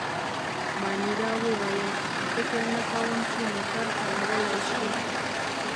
مانیرا وویل: فکر نه کوم، چي موټر چلولای شي.